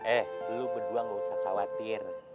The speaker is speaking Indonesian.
eh lo berdua nggak usah khawatir